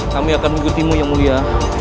kami akan mengikutimu yang mulia